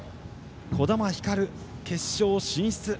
児玉ひかる、決勝進出。